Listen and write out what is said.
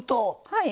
はい。